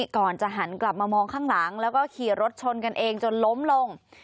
ก่อนจะหันกลับมามองข้างหลังแล้วก็ขี่รถชนกันเองจนล้มลง